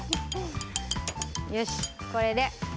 よしこれで。